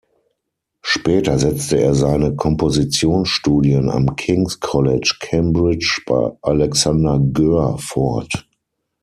Später setzte er seine Kompositionsstudien am King’s College, Cambridge bei Alexander Goehr fort.